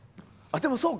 でも、そうか。